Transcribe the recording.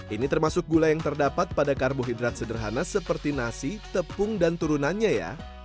ini termasuk gula yang terdapat pada karbohidrat sederhana seperti nasi tepung dan turunannya ya